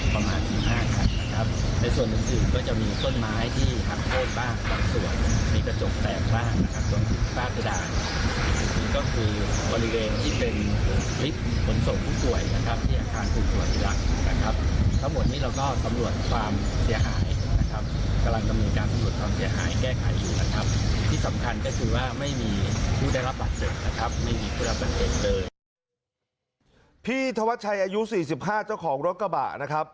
ธวัชชัยอายุ๔๕เจ้าของรถกระบะนะครับ